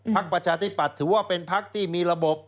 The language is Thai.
ภักดิ์ประชาธิปัตย์ถือว่าเป็นภักดิ์ที่มีระบบ